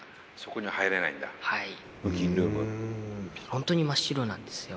本当に真っ白なんですよ。